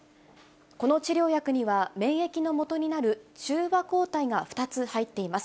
この治療薬には免疫のもとになる中和抗体が２つ入っています。